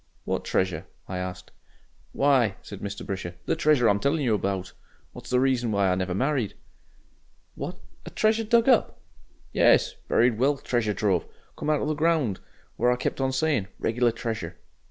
"What treasure?" I asked. "Why!" said Mr. Brisher, "the treasure I'm telling you about, what's the reason why I never married." "What! a treasure dug up?" "Yes buried wealth treasure trove. Come out of the ground. What I kept on saying regular treasure...."